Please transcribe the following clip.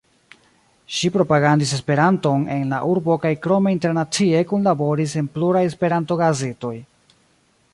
Ŝi propagandis Esperanton en la urbo kaj krome internacie kunlaboris en pluraj Esperanto-gazetoj.